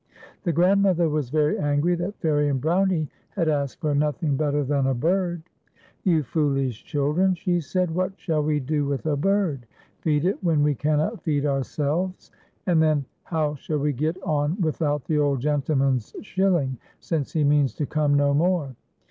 The grandmother was very angr} that Fairie and Brownie had asked for nothing better than a bird. " You foolish children," she said, " what shall we do with a bird? Feed it wdien we cannot feed our selves ! And then, how shall we get on without the old gentleman's shilling since he means to come no more